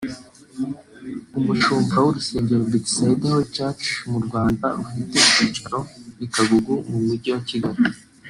umushumba w’urusengero Bethesda Holy Church mu Rwanda rufite icyicaro i Kagugu mu mujyi wa Kigali